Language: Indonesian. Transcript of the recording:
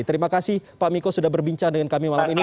terima kasih pak miko sudah berbincang dengan kami malam ini